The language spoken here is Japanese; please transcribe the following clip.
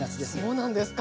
そうなんですか。